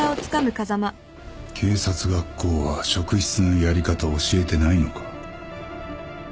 警察学校は職質のやり方を教えてないのか？